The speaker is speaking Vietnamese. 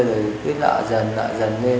rồi biết lợi dần lợi dần lên